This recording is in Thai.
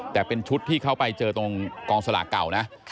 แต่เป็นชุดที่เขาไปเจอตรงกองสลากเก่านะ